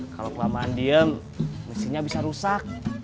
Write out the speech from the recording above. kalau kelamaan diem mesinnya bisa rusak